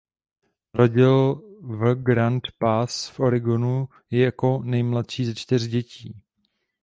Narodil v Grand Pass v Oregonu jako nejmladší ze čtyř dětí.